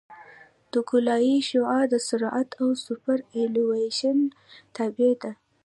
د ګولایي شعاع د سرعت او سوپرایلیویشن تابع ده